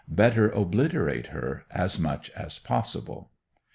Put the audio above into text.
Better obliterate her as much as possible.